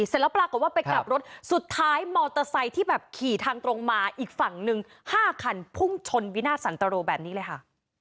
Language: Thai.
เสร็จแล้วปรากฏว่าไปกลับรถสุดท้ายมอเตอร์ไซค์ที่แบบขี่ทางตรงมาอีกฝั่งหนึ่ง๕คันพุ่งชนวินาทสันตรโรแบบนี้เลยค่ะ